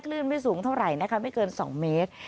ไม่สูงเท่าไหร่นะคะไม่เกิน๒เมตร